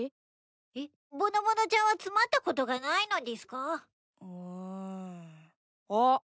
えっぼのぼのちゃんはつまったことがないのでぃすか？うんあっ。